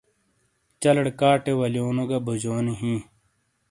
چلیڑے کاٹے ولیونو گہ بوجنی ہِیں۔